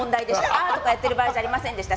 あー！とか言っている場合じゃありませんでした。